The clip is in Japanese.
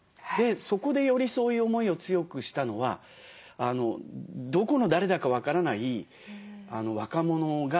そこでよりそういう思いを強くしたのはどこの誰だか分からない若者がおうちにいるわけじゃないですか。